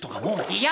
いや！